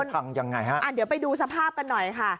พังยังไงฮะอ่าเดี๋ยวไปดูสภาพกันหน่อยค่ะ